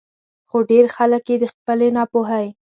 خو ډېر خلک ئې د خپلې نا پوهۍ